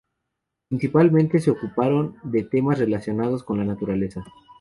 Principalmente se ocuparon de temas relacionados con la naturaleza.